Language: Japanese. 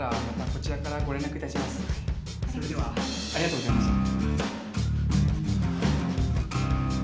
それではありがとうございました